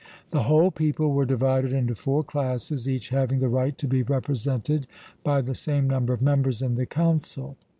The whole people were divided into four classes, each having the right to be represented by the same number of members in the Council.